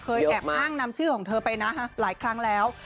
แอบอ้างนำชื่อของเธอไปนะหลายครั้งแล้ว